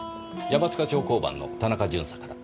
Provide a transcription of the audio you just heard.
山塚町交番の田中巡査から。